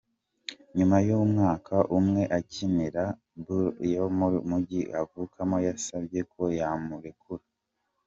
Nyuma y’umwaka umwe akinira Bulls yo mu Mujyi avukamo, yasabye ko yamurekura.